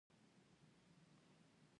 د هرات په کشک کې د څه شي نښې دي؟